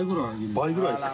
倍ぐらいですか？